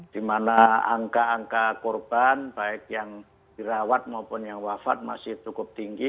di mana angka angka korban baik yang dirawat maupun yang wafat masih cukup tinggi